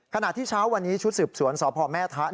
ขณะที่เช้าวันนี้ชุดสืบสวนสพแม่ทะ